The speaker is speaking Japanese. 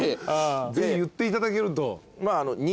ぜひ言っていただけると。